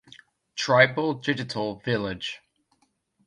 Tribal Digital Village.